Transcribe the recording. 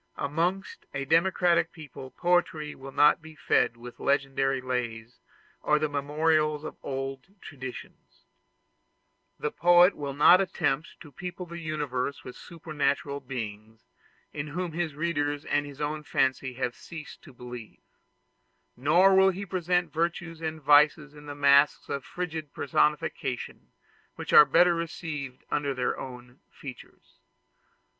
Amongst a democratic people poetry will not be fed with legendary lays or the memorials of old traditions. The poet will not attempt to people the universe with supernatural beings in whom his readers and his own fancy have ceased to believe; nor will he present virtues and vices in the mask of frigid personification, which are better received under their own features.